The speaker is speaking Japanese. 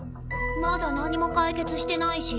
まだ何も解決してないし。